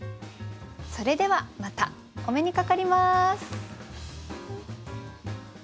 それではまたお目にかかります。